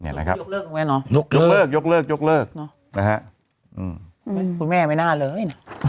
ยกเลิกไงเนอะยกเลิกนะครับมคุณแม่ไม่น่าเลย